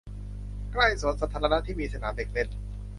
ใกล้สวนสาธารณะที่มีสนามเด็กเล่น